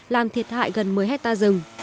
làm thiệt hại gần một mươi hectare rừng